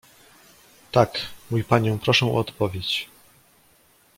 "Tak, mój panie proszę o odpowiedź."